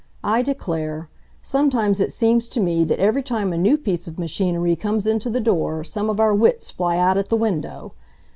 I declare! Sometimes it seems to me that every time a new piece of machinery comes into the door some of our wits fly out at the window!